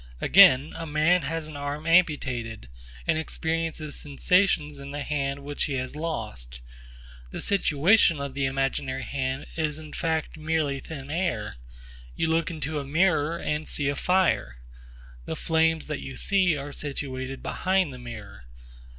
Again, a man has an arm amputated, and experiences sensations in the hand which he has lost. The situation of the imaginary hand is in fact merely thin air. You look into a mirror and see a fire. The flames that you see are situated behind the mirror.